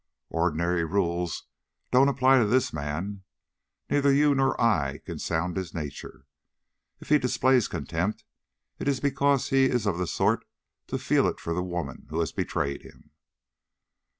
"Ordinary rules don't apply to this man. Neither you nor I can sound his nature. If he displays contempt, it is because he is of the sort to feel it for the woman who has betrayed him."